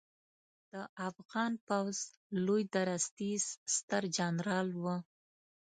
د افغان پوځ لوی درستیز سترجنرال و